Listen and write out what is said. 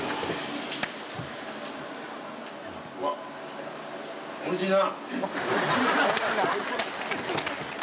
うわっおいしいな。